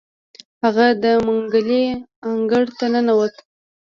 هغه د منګلي انګړ ته ننوت.